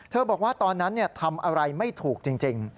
บอกว่าตอนนั้นทำอะไรไม่ถูกจริง